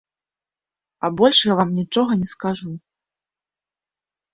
А больш я вам нічога не скажу.